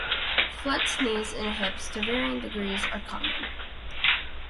Flexed knees and hips to varying degrees are common.